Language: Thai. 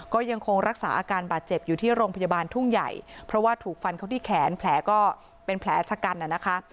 ก็ยังคงรักษาอาการบาดเจ็บอยู่ที่โรงพยาบาลทุ่งใหญ่เพราะว่าถูกฟันเขาที่แขนแผลก็เป็นแผลชะกันน่ะนะคะ